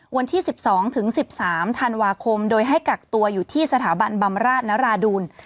วันที่๑๒ถึง๑๓ธันวาคมโดยให้กักตัวอยู่ที่สถาบันบำราชนราดูล